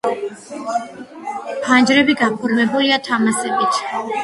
ფანჯრები გაფორმებულია თამასებით.